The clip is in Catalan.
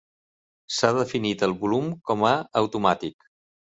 S'ha definit el volum com a automàtic.